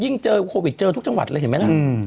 เจอโควิดเจอทุกจังหวัดเลยเห็นไหมล่ะ